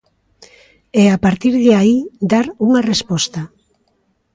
E a partir de aí, dar unha resposta.